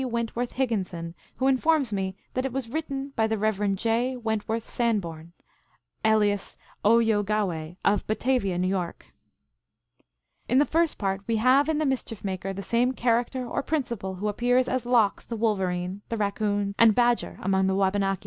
Wentworth Higginson, who in forms me that it was written by the Rev. J. Went 206 THE ALGONQUIN LEGENDS. worth Sanborn (alias O yo gah weh) of Batavia, N. Y. In the first part we have in the Mischief Maker the same character or principle who appears as Lox, the Wolverine, the Kaccoon, and Badger among the Wabanaki.